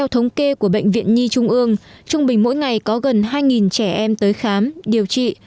trong bệnh viện nhi trung ương trung bình mỗi ngày có gần hai trẻ em tới khám điều trị